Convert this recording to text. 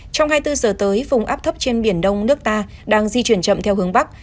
trong hai mươi bốn giờ tới vùng áp thấp trên biển đông nước ta đang di chuyển chậm theo hướng bắc